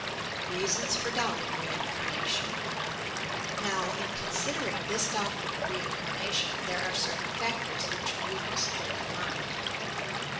REINCARNATION REASONS FOB DOUBTING HEINC.VRNATION Now, in considering this doctrine of reineamation, there are certain factors which we must bear in mind: 1.